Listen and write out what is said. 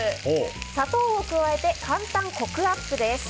砂糖を加えて簡単コクアップです。